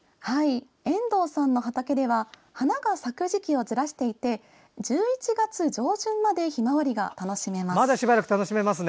遠藤さんの畑では花が咲く時期をずらしていて１１月上旬までひまわりが楽しめます。